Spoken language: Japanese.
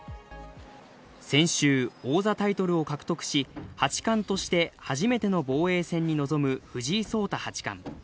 先週、王座タイトルを獲得し、八冠として初めての防衛戦に臨む藤井聡太八冠。